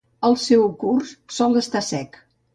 El seu curs sol estar sec.